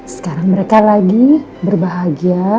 sekarang mereka lagi berbahagia